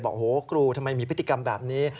บอกโอ้โหครูทำไมมีพฤติกรรมแบบนี้